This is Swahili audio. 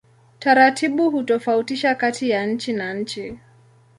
Taratibu hutofautiana kati ya nchi na nchi.